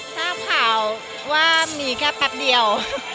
ทราบข่าวว่ามีแค่แป๊บเดียว